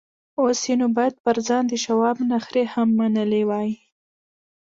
اوس يې نو بايد پر ځان د شواب نخرې هم منلې وای.